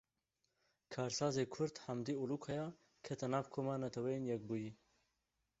Karsazê Kurd Hamdî Ulukaya kete nav koma Netewên Yekbûyî.